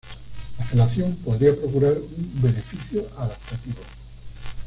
La felación podría procurar un beneficio adaptativo.